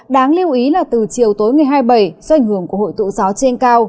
đáng lưu ý là từ chiều tối ngày hai mươi bảy do ảnh hưởng của hội tụ gió trên cao